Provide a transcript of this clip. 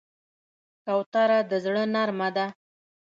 کوتره د زړه نرمه ده.